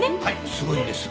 すごいんです。